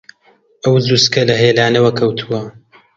ئەو جووچکە لە هێلانەوە کەوتووە